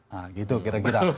nah gitu kira kira